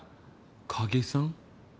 影さん？